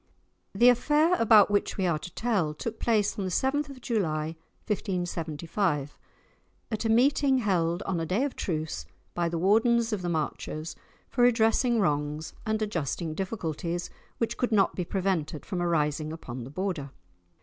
The affair about which we are to tell took place on the 7th of July 1575, at a meeting held, on a day of truce, by the Wardens of the Marches, for redressing wrongs and adjusting difficulties which could not be prevented from arising upon the Border.